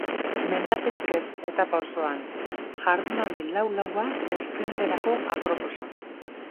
Mendaterik ez etapa osoan, jardunaldi lau-laua esprinterako aproposa.